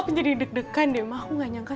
aku jadi deg degan dema aku gak nyangka